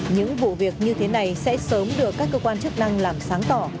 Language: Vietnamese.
những vụ việc như thế này sẽ sớm được các cơ quan chức năng làm sáng tỏ